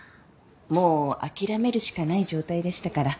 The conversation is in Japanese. もう諦めるしかない状態でしたから。